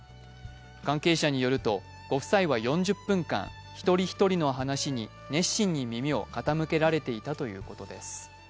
関係者によると、ご夫妻は４０分間、一人一人の話に熱心に耳を傾けられていたということです。